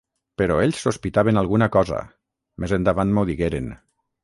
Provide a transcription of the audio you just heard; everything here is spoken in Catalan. Però ells sospitaven alguna cosa, més endavant m'ho digueren.